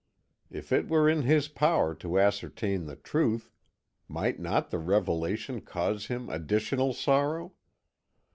If it were in his power to ascertain the truth, might not the revelation cause him additional sorrow?